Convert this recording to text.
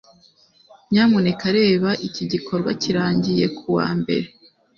nyamuneka reba iki gikorwa kirangiye kuwa mbere